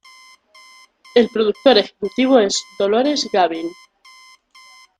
El productor ejecutivo es Dolores Gavin.